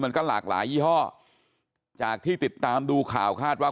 มันก็หลากหลายยี่ห้อจากที่ติดตามดูข่าวคาดว่า